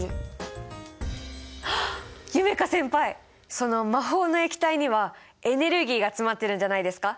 その魔法の液体にはエネルギーが詰まってるんじゃないですか？